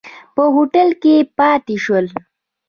په هوټل کې پاتې شول.